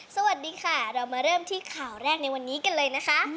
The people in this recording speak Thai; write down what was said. สวัสดีค่ะเรามาเริ่มที่ข่าวแรกในวันนี้กันเลยนะคะ